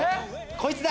こいつだ！